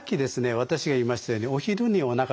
私が言いましたようにお昼におなかがすくよと。